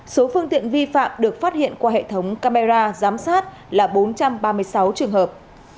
số phương tiện vi phạm được phát hiện qua hệ thống camera giám sát là bốn trăm ba mươi sáu trường hợp